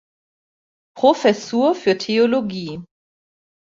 Professur für Theologie.